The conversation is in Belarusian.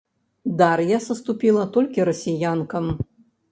Дар'я саступіла толькі расіянкам.